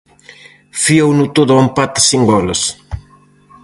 Fiouno todo ao empate sen goles.